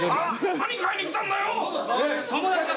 何買いに来たんだよ？